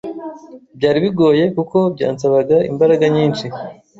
Byari bigoye kuko byansabaga imbaraga nyinshi